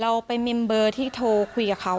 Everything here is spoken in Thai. เราไปมิมเบอร์ที่โทรคุยกับเขา